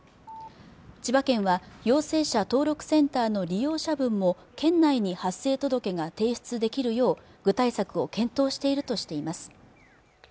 千葉県は陽性者登録センターの利用者分も県内に発生届が提出できるよう具体策を検討しているとしています